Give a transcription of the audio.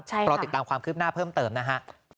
ใช่ค่ะคุณผู้ชมรอติดตามความคลิบหน้าเพิ่มเติมนะฮะ